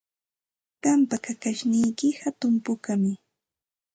Qampa kakashniyki hatun pukami.